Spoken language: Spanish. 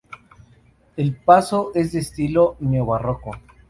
El paso es de estilo neobarroco.